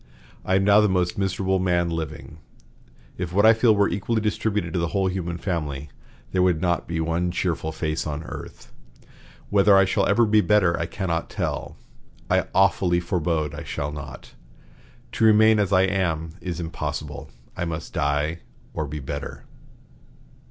I am now the most miserable man living. If what I feel were equally distributed to the whole human family, there would not be one cheerful face on earth. Whether I shall ever be better, I cannot tell; I awfully forebode I shall not. To remain as I am is impossible; I must die or be better."